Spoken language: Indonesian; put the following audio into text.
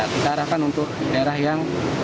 kita arahkan untuk daerah yang